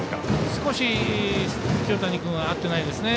少し清谷君が合ってないですね。